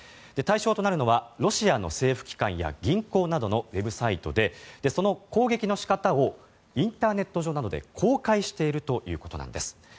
対象となるのはロシアの政府機関や銀行などのウェブサイトでその攻撃の仕方をインターネット上などで公開しているということなんです。